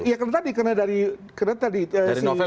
ya karena tadi karena dari novel belum bicara